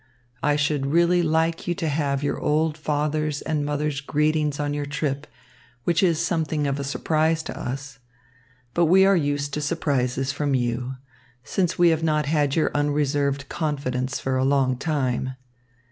I should really like you to have your old father's and mother's greetings on your trip, which is something of a surprise to us. But we are used to surprises from you, since we have not had your unreserved confidence for a long time.